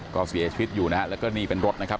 ก็เสียชีวิตอยู่นะฮะแล้วก็นี่เป็นรถนะครับ